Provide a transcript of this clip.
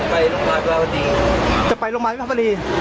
ไปโรงพยาบาลวิภาวดีจะไปโรงพยาบาลวิภาวรี